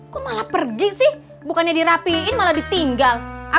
kok malah pergi sih bukannya dirapiin malah ditinggal